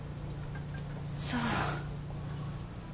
そう。